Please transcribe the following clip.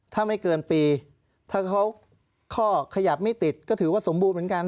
ถ้าไม่เกินปีถ้าเขาข้อขยับไม่ติดก็ถือว่าสมบูรณ์เหมือนกัน